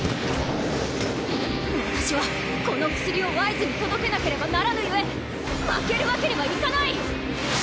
私はこの薬をワイズに届けなければならぬゆえ負けるわけにはいかない！